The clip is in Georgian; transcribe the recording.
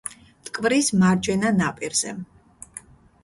მტკვრის მარჯვენა ნაპირზე.